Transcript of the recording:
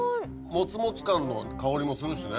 もつもつ感の香りもするしね。